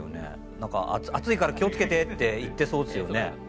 何か「熱いから気をつけて！」って言ってそうですよね。